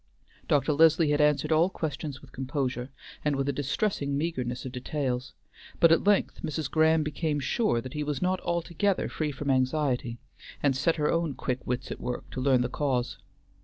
Dr. Leslie had answered all questions with composure, and with a distressing meagreness of details; but at length Mrs. Graham became sure that he was not altogether free from anxiety, and set her own quick wits at work to learn the cause.